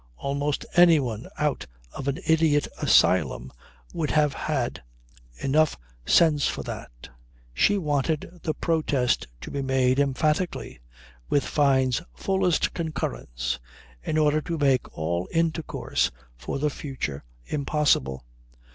Almost anyone out of an idiot asylum would have had enough sense for that. She wanted the protest to be made, emphatically, with Fyne's fullest concurrence in order to make all intercourse for the future impossible.